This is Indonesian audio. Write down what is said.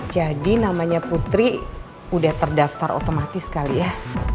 jadi namanya putri sudah terdaftar otomatis kali ya